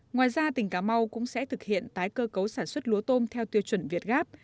ngoài ra tỉnh cà mau cũng sẽ thực hiện tái cơ cấu sản xuất lúa tôm theo tiêu chuẩn việt gáp